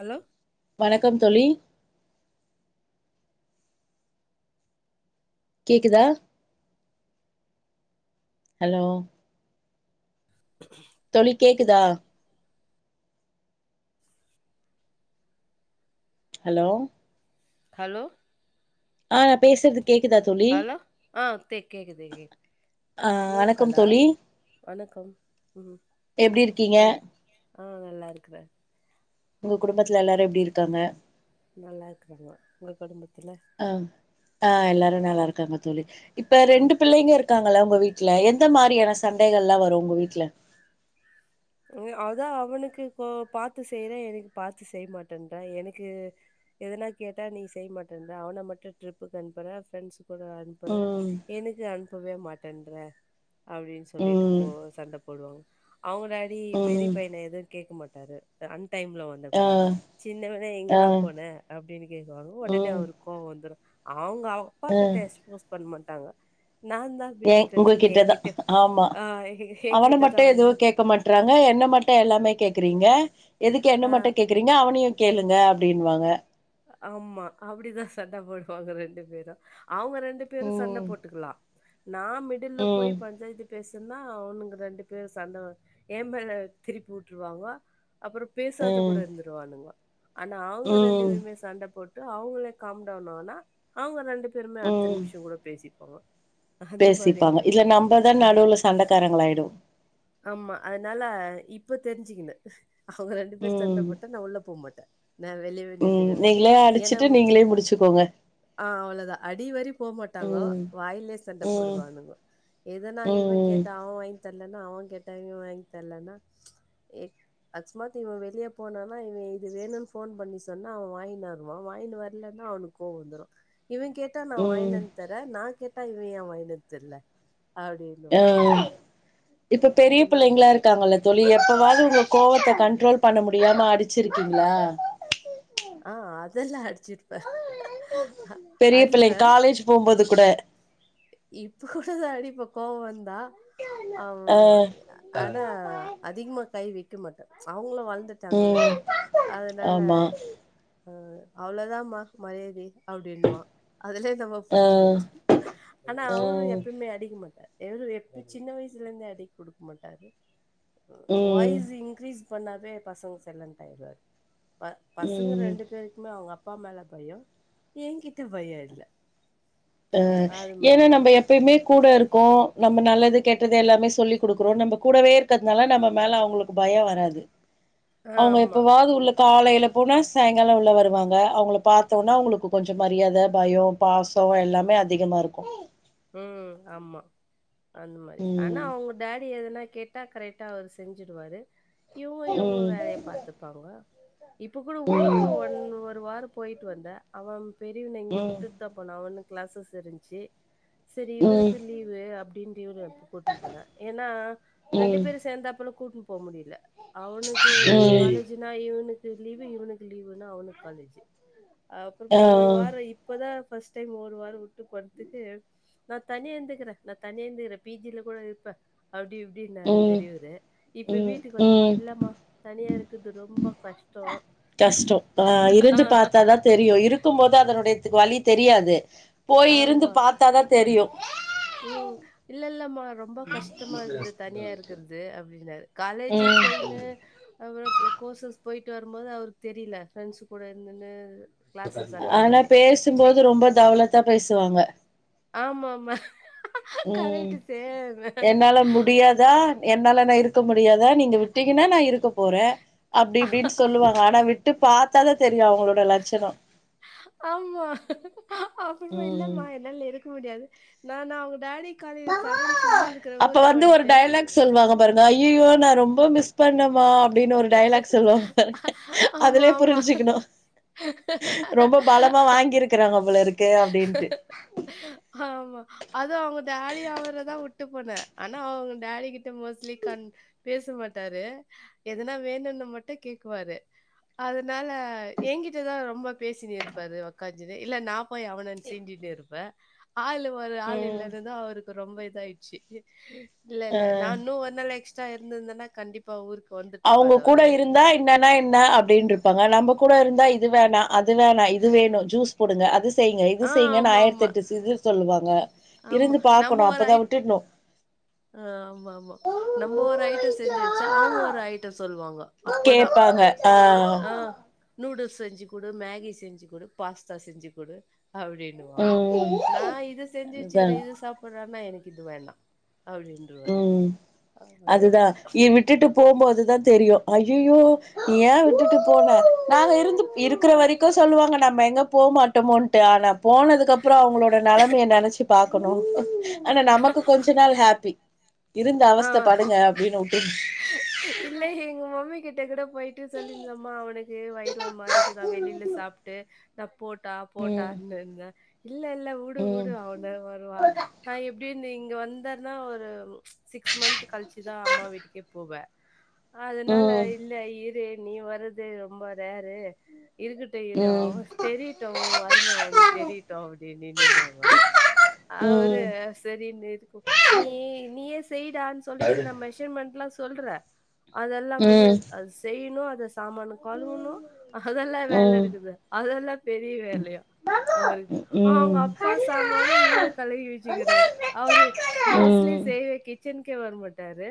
Hello வணக்கம் தோழி கேக்குதா ஹலோ தோழி கேக்குதா ஹலோ ஹலோ ஆ நா பேசறது ஹலோ ஆ தேக் கேக்குது கேக்குது அ இன்னொரு வணக்கம் காலா தோழி வணக்கம் ம் எப்டி இருக்கீங்க வணக் ஆ நல்லா இருக்குறே உங்க ம் குடும்பத்துல எல்லாரு எப்டி இருக்காங்க நல்லா இருக்குறாங்கௌ உங்க குடும்பத்துல அ ம் அ எல்லாரு நல்லா இருக்காங்க தோழி இப்ப ஆ ரெண்டு பிள்ளைங்க இருக்காங்களா உங்க வீட்டுல எந்த மாரி எப்டியான சண்டைகள்லா வரோ உங்க வீட்டுல அதா அவனுக்கு கோ பாத்து செய்றே எனக்கு பாத்து செய்ய மாட்டேன்ற எனக்கு எதனா கேட்டா நீ செய்ய மாட்டேன்ற அவன மட்டு ட்ரிப்புக்கு அனுப்புற ஃப்ரெண்ட்ஸ் கூட அனுப்புற ம் எனுக்கு அனுப்பவே மாட்டேன்ற அப்டின் சொல்லிட்டு ம் போ சண்ட போடுவாங்க அவுங்க டா டி பெரிய ம் பையன எதுவு கேக்க மாட்டாரு அன் டைம்ல வந்தா ஆ கூட சின்னவன ஆ எங்கடா போன அப்டின்னு கேக்குவாங்கோ ஒடனே ம் அவருக்கு கோவொ வந்துரு அவுங்க அவங் அப்பா ஆ கிட்ட எக்ஸ்போஸ் பண்ணமாட் நான் தான் ஏ பிட்டி கச்சின் உங்ககிட்டதா எங்கிட்ட ஆமா ஆ எங்ககி எங்கிட்டதா வந்து ஏன் என்ன மட்டு எல்லாமே கேக்குறீங்க எதுக்கு என்ன ஆ மட்டு கேக்குறீங்க அவனயு கேளுங்க அப்டின்னுவாங்க ஆம்மா அப்டிதா சண்ட போடுவாங்க ரெண்டு பேரு அவுங்க ரெண்டு பேரு சண்ட ம் போட்டுக்லா நா மிடில்ல போய் ம் பஞ்சாயத்து பேசுன்னா அவுனுங்க ரெண்டு பேரு சண்ட ஏமேல திருப்பி வுட்டுருவாங்கோ அப்பறம் பேசாத ம் கூட இருந்துருவானுங்கோ ஆனா அவுங்க ரெண்டு ம் பேருமே சண்டை போட்டு அவுங்களே காம்டவுன் ஆனா அவுங்க ரெண்டு பேருமே அடுத்த ம் நிம்ஷங் கூட பேசிப்பாங்கோ பேசிப்பாங்க இதுல நம்பதான் நடுவுல சண்டக்காரங்களாயிடுவோ ஆமா அதனால இப்ப தெரிஞ்சுக்கினு அவுங்க ரெண்டு பேர் சண்ட ம் போட்டா நா உள்ள போ மாட்ட நா வெளியவே ம் நிண்டுகறது நீங்களே ஏன்னா அடிச்சுட்டு நீங்களே முடிச்சுக்கோங்க ஆ அவ்வள தா அடிவரி போமாட்டாங்கோ ம் வாயிலயே சண்டை ம் போடுவானுங்கோ எதனா இவன் ம் கேட்டா அவன் வாங்கி தர்லன்னா அவன் கேட்டா இவன் வாங்கி தர்லன்னா அக்ஸ்மாத்தி இவன் வெளியே போனானா இவன் இது வேணுன் ஃபோன் பண்ணி சொன்னா அவன் வாய்னு வருவான் வாய்னு வர்லன்னா அவனுக்கு கோவோ வந்துரு இவன் கேட்டா நா ம் வாய்னு வந்தரேன் நா கேட்டா இவ ஏன் வாய்னு வந் தர்ல ஆ அப்டினுவாங்க இப்ப பெரிய பிள்ளைங்ளா இருக்காங்கல்ல தோழி எப்பவா வது உங்க கோவத்த கண்ட்ரோல் பண்ண முடியாம அடிச்சிருக்கீங்ளா ஆ அதெல்லா அடிச்சிருப்ப பெரிய பிள்ளைங் காலேஜ் போம்போது கூட இப்ப கூட தா அடிப்ப கோவொ வந்தா ஆ அம் ஆனா அதிகமா கை வெக்க மாட்ட அவுங்ளு வளந்துட்டாங்கல்ல ம் அதனால ஆமா அ அவ்ளோதான்மா மரியாதி அப்டின்னுவா அதுலயே நம்ம ஆ புரிஞ்சிக்கிணு ஆனா ஆ அவுரு எப்பய்மே அடிக்க மாட்டாரு எவுரு எப்ப சின்ன வயசுலர்ந்தே அடிக்மாட்டாரு ம் வாய்ஸு இன்க்ரீஸ் பண்ணாவே பசங்க சய்லண்ட் ஆய்டுவாரு ப பசங்க ம் ரெண்டு பேருக்குமே அவுங்க அப்பா மேல பயொ என்கிட்ட பயொ இல்ல அ அது ஏன்னா மாரி. நம்ப எப்பயுமே கூடருக்கோ நம்ம நல்லது கெட்டது எல்லாமே சொல்லி குடுக்குறோ நம்ப கூடவே இருக்கறதுனால நம்ம மேல அவங்களுக்கு பயொ வராது ஆ அவுங்க ஆமா. எப்பவாது உள்ள காலைல போனா சாய்ங்கால உள்ள வருவாங்க அவுங்கள பாத்த ஒன்ன அவுங்களுக்கு கொஞ்சம் மரியாத பயோ பாசோ எல்லாமே அதிகமா இருக்கூ ம் ஆமா அந்த மாறி ஆனா ம் அவுங்க டாடி எதனா கேட்டா கரெக்டா அவரு செஞ்சுடுவாரு இவுங்க இவுங்க ம் வேலய பாத்துப்பாங்க இப்ப கூடோ ஊருக்கு ம் ஒன் ஒரு வாரொ போயிட்டு வந்த அவன் பெரிவன இங்க ம் வுட்டுட்டு தான் போன அவனுக்கு க்ளாஸஸ் இருந்ச்சி செரி ம் இவுருக்கு லீவு அப்டின்டு இவுரு கூட்டுன் போல ஏன்னா ரெண்டு ம் பேரு சேந்தாப்பல கூட்டுன் போ முடியல அவனுக்கு ம் ம் காலேஜுனா இவுனுக்கு லீவு இவுனுக்கு லீவுனா அவனுக்கு காலேஜு ஆ அப்புறமா ஒரு வாரொ இப்பதா ஃபர்ஸ்ட் டைம் ஒரு வாரொ வுட்டு போன்துக்கு நா தனியா இந்துக்குற நான் தனியா இந்துக்குற பி ஜி ல கூட இருப்ப அப்டி இப்டின்னாரு ம் பெரியவரு இப்ப ம் வீட்டுக்கு வந்து ம் இல்லம்மா தனியா இருக்குது ரொம்ப கஷ் டோ கஷ்டோ அ இருந்து பாத்தாதா தெரியு இருக்கும் போது அதனுடய த்துக் வழி தெரியாது போய் இருந்து ஆமா பாத்தாதா தெரியு ம் இல்லல்லம்மா ரொம்ப கஷ்டமாக்குது தனியா இருக்கற்து அப்டினாரு காலேஜிக் ம் போயினு அப்புறோ ப் கோர்சஸ் போய்ட்டு வரும்போது அவுருக் தெரில ஃப்ரெண்ட்ஸ் கூட இருந்துன்னு கிளாஸஸ் அட்டன் ஆனா பண்ணி வி பேசும்போது ரொம்ப தவுலத்தா பேசுவாங்க ஆமாமா ம் கரெக்ட் சேம். என்னால முடியாதா என்னால நா இருக்க மு டியாதா நீங்க விட்டீங்கனா நா இருக்க போறே அப்டி இப்டின் சொல்லுவாங்க ஆனா விட்டு பாத்தாத தெ ஆமா அப்பறமா ம் இல்லம்மா என்னால இருக்க முடியாது நானு அவுங்க டேடி அப்ப வந்து ஒரு வந்துட்டேன். டயலாக் சொல்வாங்க பாருங்க ஐய்யயோ நா ரொம் போ மிஸ் பண்ணம்மா அப்டின் ஒரு டயலாக் சொல்லுவாங் பாரு ஆமா, அதுலியே ஆமா. புரிஞ்சிக்குணு ரொம்ப பலமா வாங்கியிருக்கறாங்க போலரு க்கே அப்டின்ட்டு அது அவுங்க டேடி அவரதா உட்டு போனே ஆனா அவுங்க டேடி கிட்ட மோஸ்ட்லி கண் பேசு மாட்டாரு எதுனா வேணுன்னு மட்டு கேக்குவாரு அதனால ஏங்கிட்டதா ரொம்ப பேசினி இருப்பாரு ஒக்காஞ்சினு இல்ல நா போய் அவுனான் சீண்டிட்டே இருப்ப ஆளு ஒரு ஆளு ம் இல்லாதது அவுரு ரொம்ப இதாயிட்ச்சி அ இல்லல்ல நா இன்னு ஒரு நாள் எக்ஸ்ட்ரா இருந்திருந்தனா கண்டிப்பா ஊருக்கு அவுங்க வந்துட்டுருப்பாரு கூட அவரு. இருந்தா இன்னானா‌ இன்னா அப்டின்ருப்பாங்க நம்ப கூட இருந்தா இது வேணா அது வேணா இது வேணு ஜூஸ் போடுங்க அதுஸ் செய்ங்க இது ஆ செய்ங்கன் ஆயிரத்தி ஆமாமா. எட்டு சிசு சொல்லுவாங்க ஆமா. ஆமா இருந்து நம்ம பாக்கணு ஒரு அப்பதா ஐட் விட்டுட்ணு ஆ ஆமாமா நம்போ ஒரு ஐட்டோ செஞ்சு வெச்சா அவுங்க ஒரு ஐ கேப்பாங்க ஆ ஆ நூடுல்ஸ் செஞ்சி குடு மேகி செஞ்சி குடு பாஸ்தா செஞ்சி குடு அபிடின்னுவாங்கோ ம் நா இத செஞ்சு வெச்சுகுறே அதுதா இது சாப்புட்றான்னா எனக்கு இது வேண்ணா ம் அதுதா அப்பா இ விட்டுட்டு போம்போதுதா தெரியு அய்யயோ நீ ஏ விட்டுட்டு போன நாங்க இருந்துப் இருக்கற வரைக்கு சொல்லுவாங்க நம்ம எங்க போ போமாட்டமோன்ட்டு ஆனா போனதுக்கு அப்புறோ அவுங்களோட நெலமைய நெனச்சி பாக்கணு ஆனா நமக்கு கொஞ்ச நாள் ஹேப்பி இருந்து அவஸ்த ஆ படுங்க அப்டினு உட்டு கிட்டகூட போயிட்டு சொல்லிந்தம்மா அவனுக்கு வயிறு ஒரு மாரிக்குதா வெளில சாப்ட்டு ந போட்டா ம் போட்டான்னு இந்தே இல்ல இல்ல உடு ம் உடு அவன ஒரு வா நா எப்டியிந்து இங்க வந்தன்னா ஒரு சிக்ஸ் மந்த் கழிச்சுதா அம்மா வீட்டுக்கே போவே அதனால ம் இல்ல இரு நீ வரது ரொம்ப ரேரு இருக்கட்டு இரு ம் அவ தெரியிட்டு உ அரும அவனுக்கு தெரியிட்டு அப்டினி நிந்தாங்க அவுரு ம் செரி நிதுக்கு நீயி நீயே செ ய்டான் சொல்லிட்டு நா மெஷர்மென்ட்லா சொல்றே அதல்லா ம் ம் முடியாது அது செய்ணு சாமான கழுவுணு அதெல்லா வேல இருக்குது அதெல்லா பெரிய வேலையா அவுரு அ அவுங்க அப்பா சாமானோ இவுரே கழுவி வெச்சிகிறாரு அவரு மோஸ்லி ம் ம் செய்ற கி ச்சன் கே வரமாட்டாரு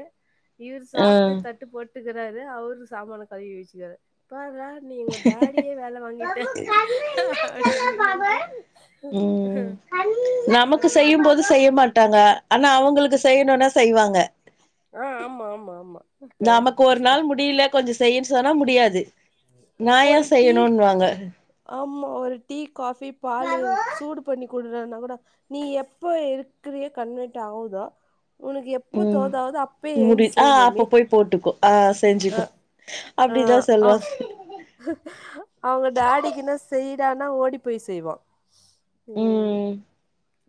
இவுரு சாப்ட்டு ஆ தட்டு போட் ட்டுக்கிறாரு அவுரு சாமானோ கழுவி வெச்சிகிறா பார்றா நீ உங்க டேடியே வேல வாங்கிட்ட அப்டினினிந்தே ம் நமக்கு செய்யும் போது செய்ய மாட்டாங்க ஆனா அவுங்குளுக்கு செய்ணுனா செய்வாங்க ஆ, ஆமா, ஆமா, ஆமா. கரெக்ட், நமக்கு ஒரு கரெக்ட். நாள் முடில கொஞ்சோ செய்யின் சொன்னா முடியாது நா ஏ செய்யணுன்வாங்க ம்மா ஒரு டீ காஃபி பாலு சூடு பண்ணி குட்றானா கூட நீ எப்ப இருக்கிறியோ கன்வெட் ஆவுதோ உனுக்கு எப்ப ம் தோதாவுதோ அப்பயே முடி ஏந்து ஆ செய் மம்மி அப்ப போய் போட்டுக்கோ ஆ அ செஞ்சுக்கோ ஆ அப்டிதா அ சொல்லுவாங்க அவுங்க டாடிக்குனா செய் டானா ஓடி போய் செய்வா ம்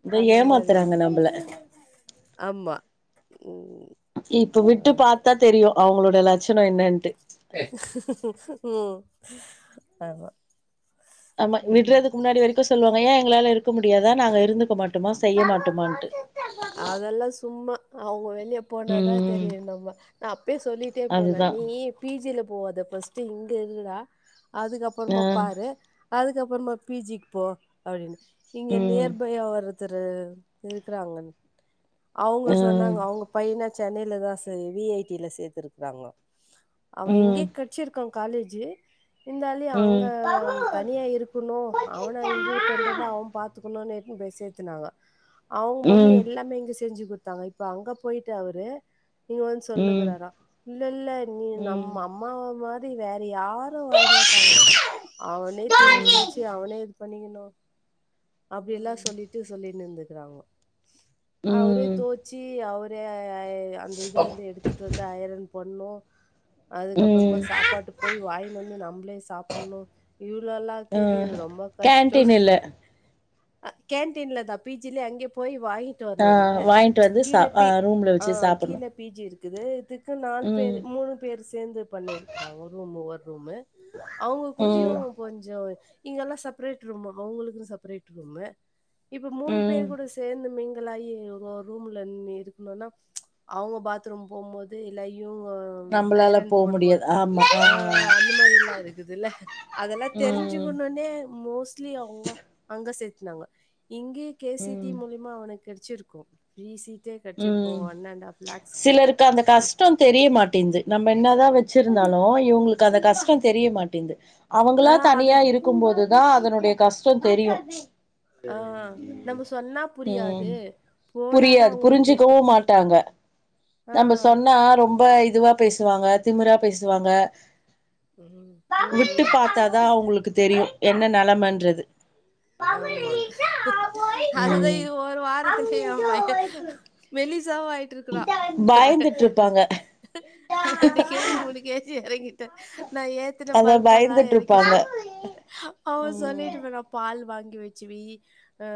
இத அந்த மாரி ஏமாத்துறாங்க இருக்கு நம்ள ஆமா ம் இப்ப ஆ விட்டு பாத்தா தெரியு அவுங்களோட லட்சணோ என்னன்ட்டு ம் ஆமா ஆமா ம் விட்றதுக்கு முன்னாடி வரைக்கு சொல்வா ஏ எங்களால இருக்க முடியாதா நாங்க இருந்துக்க மாட்டம்மா செய்ய மாட்டமான்ட்டு அதெல்லா சும்மா அவுங்க வெளிய போனாதா ம் தெரியு நம்ம அ ப்பே சொல்லிட்டே போனே அதுதா நீ பி ஜி ல போவாத ஃபர்ஸ்ட்டு இங்க இருடா ஆ அதுக்கப்றமா பாரு அதுக்கப்றமா பி ஜி க்கு போ அப்டின் இங்க ம் நியர்பை யா ஒருத்தரு இருக்குறாங்கன் அவுங்க ம் சொன்னாங்க அவுங்க பையன சென்னைல தா ச வி ஐ டி ல சேத்ருக்கறாங்ளா அவே இங்கே ம் கெட்ச்சிருக்கு காலேஜு இந்தாலியு ம் ம் அங்க ம் தனியா இருக்குணு அவன இன்டிபெண்டடா அவேன் பாத் [unintelligible] இட்னுபோய் சேதுனாங்க அவுங்க மம்மி எல்லாமே இங்க செஞ்சு குட்தாங்க இப்ப அங்க போய்ட்டு அவுரு இவ வந்து சொல்ன்னிக்றாரா இல்லெல்ல நீ நம் அம்மாவ மாரி வே ற யாரு வரமாட்டாங்கோ அவனே துணி தொவச்சு அவனே இது பண்ணிக்கணு அப்டி எல்லா சொல்லிட்டு சொல்லினிந்துகுறாங்கோ அவரே ம் ம் தோச்சி அவ ரே அந்த இதுலந்து எடுத்துட்டு வந்து அயரன் பண்ணு அதுக்கப்றமா ம் சாப்பாட்டு போய் வாய்னு வந்து நம்ளே சாப்புட்ணு இவ்ளோல்லா ஆ இக்குது ரொ கேன்டீன் இல்ல அ கேன்டீன்ல தா பி ஜி ல அங்கே போய் வாய் ன்ட்டு ஆ வர்ணுல வாங்கிட்டு வந்து சா கீழ ஆ பி ரூம்ல ஆ வச்சு சாப்புட்ணு கீழ பி ஜி இருக்குது இது க்கு நால் பேரு ம் மூணு பேர் சேந்து பண்ணிருகுறாங்க ரூமுவர் ரூமு அவுங்க கூட்டியு ம் பொஞ்சோ இங்கல்லா செப்ரேட் ரூமு அவுங்களுக்குன் செப்ரேட் ரூமு இப்ப மூணு ம் பேரு கூட சேந்து ங்லாயி ரோ ரூம்ல இருக்குனுன்னா அவுங்க பாத்ரூம் போம்போது இல்ல இவுங்க நம்ளால போ முடியாது ஆ ஆ அந்த மாரிலா இருக்குதுல்ல அதெல்லா ஆ ம் தெரிஞ்சுக்ணுனே மோஸ்ட்லி அவுங்க அங்க சேத்னாங்க இங்கே கே சி டி ம் மூலிமா அவன கெட்ச்சிருக்கு ப்ரீ சீ ம் சிலருக்கு அந்த கஷ்டோ தெரிய மாட்டேன்து நம் ம் என்னாதா வச்சிருந்தாலு இவுங்களுக்கு அந்த கஷ்டோ தெரிய மாட்டேன்து ஆ அவுங்களா அது தனியா இருக்கு போதுதா அதனுடைய கஷ்டோ தெரியு ஆ நம்ப சொன்னா புரியாது போனா தா அவுங்ளு ஞ்சுக்கவு மாட்டாங்க நம்ப சொன்னா ரொம்ப இதுவா பேசுவாங்க திமிரா பேசுவாங்க ம் ம் விட்டு ம் பாத்தா தா அவுங்ளு க்கு தெரியு என்ன நெலமன்றது ஆமா அதுதா இது ஒரு வாரத்தில எ பையேன் ம் மெலி ஞ்சாவா ஆயிட்ருக்குறா பயந்துட்டு இருப்பாங்க ரெண்டு கே ஜி மூணு கே ஜி எறங்கி ட்டு நா ஏத்துன அதா பல்க்கல்லா பயந்துட்டு எறக்கிட் இருப்பாங்க அவே ம் சொல்லிட்டு போனா பால் வாங்கி வச்சுவெய்யி ஆ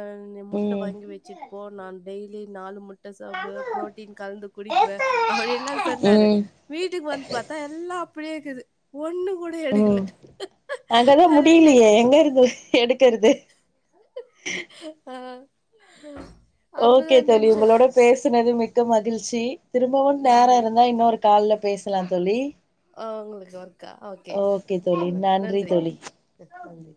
முட்ட ம் வாங்கி வச்சுட்டு போ நான் டெய்லி நாலு முட் ட சாப்டுவே புரோட்டீன் கலந்து குடிக்குவே அப்டின்லா சொன்னாரு ம் வீட்டுக்கு வந்து பாத்தா எல்லா அப்டியேக்குது ஒண்ணு கூட ம் எடுக்கல. அங்கதா நான் நினைச்சேன் முடிலியே எங்கருந்து எடுக்குறது ஆ ஓகே அப்பதான் தோழி நினைச்சேன் உங்களோட பேசுனது மிக்க மகிழ்ச்சி திரும்பவும் நேரம் நன்றி இருந்தா இன்னொரு கால்ல பேசலாம் தோழி ஆஹ் உங்களுக்கு ஒர்க்கா ஓகே நன்றி மிக்க நன்றி